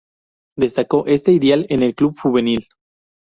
Destacó este ideal en el club juvenil.